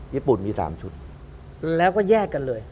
ญี่ปุ่นมี๓ชุดแล้วก็แยกกันเลย